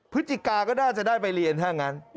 พฤศจิกาก็น่าจะได้ไปเรียนถ้างั้น